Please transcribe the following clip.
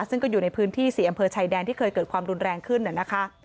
ซึ่งก็อยู่ในพื้นที่๔อำเภอชายแดนที่เคยเกิดความรุนแรงขึ้นนะคะ